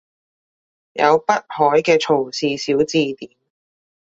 有北海嘅曹氏小字典